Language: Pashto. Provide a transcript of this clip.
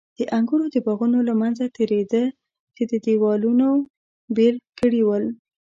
د انګورو د باغونو له منځه تېرېده چې دېوالونو بېل کړي ول.